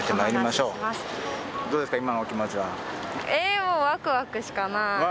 もうワクワクしかない。